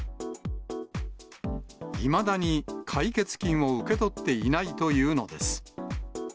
いまだに解決金を受け取っていないというのです。